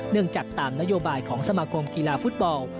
จากตามนโยบายของสมาคมกีฬาฟุตบอล